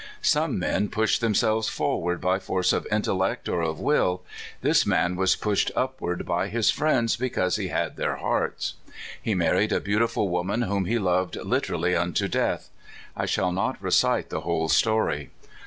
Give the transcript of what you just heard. Some men push themselves forward by force of intellect or of will this man was pushed upward by his friends be cause he had their hearts. He married a beauti ful woman, whom he loved literally unto death. I shall not recite the whole story.